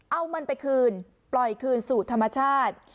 เอามันไปคืนปล่อยคืนสู่ธรรมชาติ